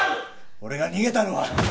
俺が逃げたのは。